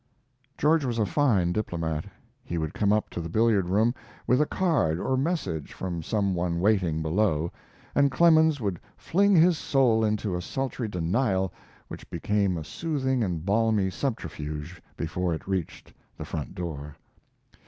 George was a fine diplomat. He would come up to the billiard room with a card or message from some one waiting below, and Clemens would fling his soul into a sultry denial which became a soothing and balmy subterfuge before it reached the front door.